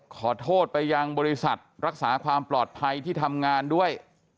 ขอโทษไปยังบริษัทรักษาความปลอดภัยที่ทำงานด้วย